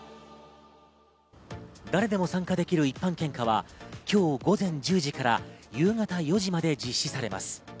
誰でも参加できる一般献花は今日午前１０時から夕方４時まで実施されます。